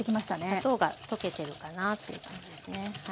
砂糖が溶けてるかなという感じですね。